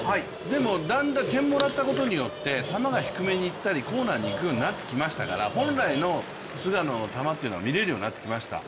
だんだん点をもらったことで球が低めにいったり、コーナーにいくようになってましたから本来の菅野の球が見れるようになってきました。